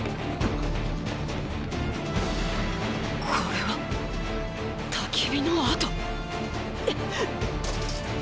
これは焚き火の跡